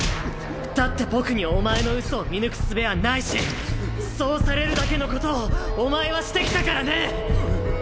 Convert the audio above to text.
だって僕にお前のうそを見抜く術はないしそうされるだけのことをお前はしてきたからね！